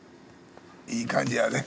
いい感じやで。